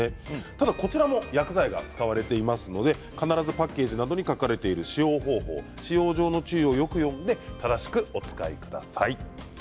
ただ、こちらも薬剤が使われていますので必ずパッケージなどに書かれている使用方法使用上の注意をよく読んで正しくお使いください。